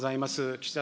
岸田